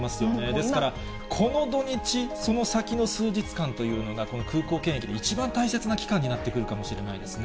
ですから、この土日、その先の数日間というのが、空港検疫で一番大切な期間になってくるかもしれないですね。